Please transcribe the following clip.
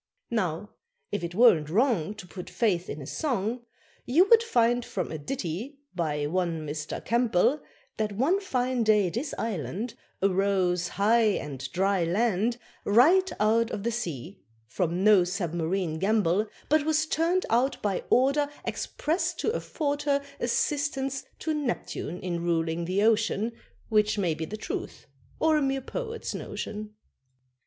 Now, if it weren't wrong To put faith in a song, You would find from a ditty, by one Mr. Campbell, That one fine day this island Arose, high and dry land, Right out of the sea from no submarine gambol; But was turned out by order, Express to afford her Assistance to Neptune in ruling the ocean, Which may be the truth, or a mere poet's notion.